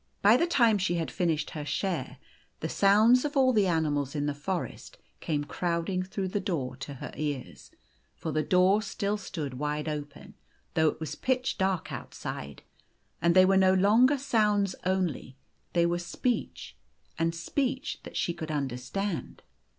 By the time she had finished her share, the sounds of all the animals in the forest came crowd ins; through the door to her ears ; for the door still O O stood wide open, though it was pitch dark outside ; and they were no longer sounds only ; they were speech, and speech that she could understand.